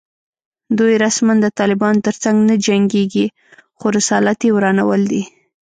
دوی رسماً د طالبانو تر څنګ نه جنګېږي خو رسالت یې ورانول دي